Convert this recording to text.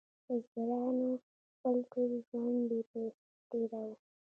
بزګرانو خپل ټول ژوند بې پیسو تیروه.